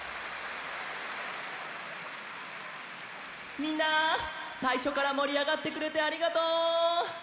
みんなさいしょからもりあがってくれてありがとう！